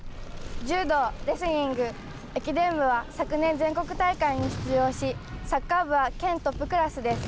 柔道、レスリング駅伝部は昨年全国大会に出場しサッカー部は県トップクラスです。